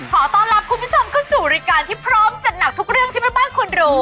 ขอต้อนรับคุณผู้ชมเข้าสู่รายการที่พร้อมจัดหนักทุกเรื่องที่แม่บ้านคุณรู้